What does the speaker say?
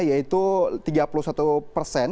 yaitu tiga puluh satu persen